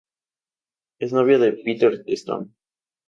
Es novia de "Peter Stone".